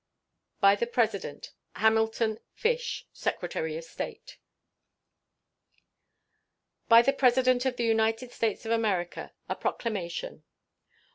By the President: HAMILTON FISH, Secretary of State. BY THE PRESIDENT OF THE UNITED STATES OF AMERICA. A PROCLAMATION.